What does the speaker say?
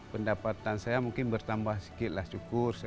pendapatan saya mungkin bertambah sikitlah syukur saya